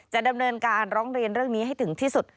ดำเนินการร้องเรียนเรื่องนี้ให้ถึงที่สุด